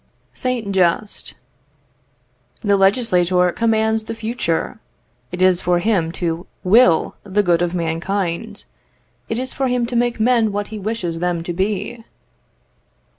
Saint Just. "The legislator commands the future. It is for him to will for the good of mankind. It is for him to make men what he wishes them to be."